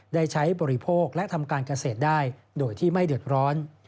ได้ใช้บริโภคและทำการเกษตรได้โดยที่ไม่เดือดร้อน